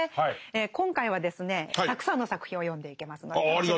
今回はですねたくさんの作品を読んでいけますので。